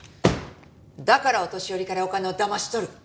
だからお年寄りからお金をだまし取る。